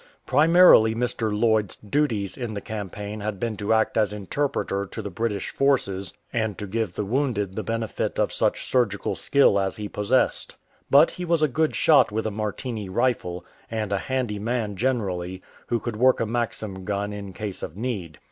Primarily Mr. Lloyd's duties in the cam paign had been to act as interpreter to the British forces and to give the wounded the benefit of such surgical skill as he possessed. But he was a good shot with a Martini rifle, and a "handy man'" generally, who could work a Maxim gun in case of need.